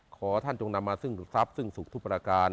ขอท่านจงนำมาซึ่งดูดทรัพย์ซึ่งสุขทุกประการ